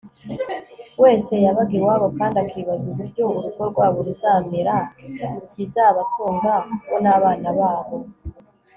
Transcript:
wese yabaga iwabo kandi akibaza uburyo urugo rwabo ruzamera, ikizabatunga bo n'abana babo